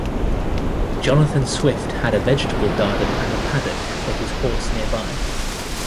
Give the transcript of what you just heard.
Jonathan Swift had a vegetable garden and a paddock for his horse nearby.